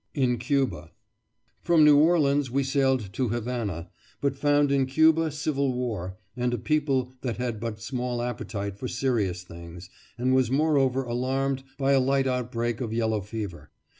IN CUBA From New Orleans we sailed to Havana, but found in Cuba civil war, and a people that had but small appetite for serious things, and was moreover alarmed by a light outbreak of yellow fever.